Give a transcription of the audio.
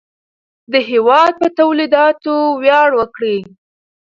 د هېواد په تولیداتو ویاړ وکړئ.